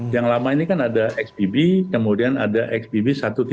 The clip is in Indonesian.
yang lama ini kan ada xbb kemudian ada xbb satu lima